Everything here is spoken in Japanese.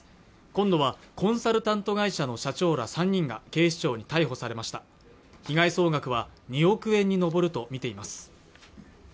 今度はコンサルタント会社の社長ら３人が警視庁に逮捕されました被害総額は２億円に上るとみています